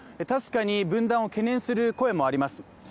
確かに分断を懸念する声もあります。